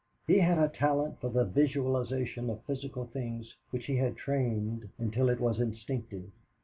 He had a talent for the visualization of physical things which he had trained until it was instinctive.